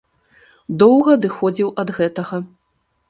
Доўга адыходзіў ад гэтага.